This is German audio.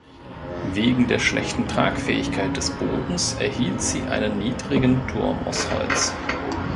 Wegen der schlechten Tragfähigkeit des Bodens erhielt sie einen niedrigen Turm aus Holz.